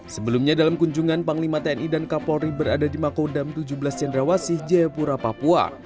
sebelumnya dalam kunjungan panglima tni dan kapolri berada di makodam tujuh belas cendrawasih jayapura papua